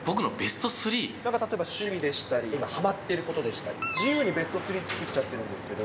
例えば、趣味でしたり、今、はまっていることでしたり、自由にベスト３作っちゃっていいですけど。